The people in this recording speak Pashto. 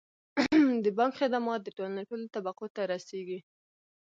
د بانک خدمات د ټولنې ټولو طبقو ته رسیږي.